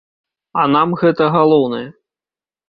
А нам гэта галоўнае.